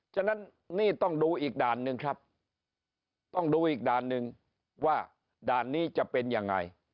ฉะนั้นนี่ต้องดูอีกด่านหนึ่งครับต้องดูอีกด่านหนึ่งว่าด่านนี้จะเป็นยังไง